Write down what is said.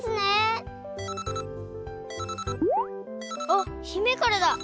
あっ姫からだ。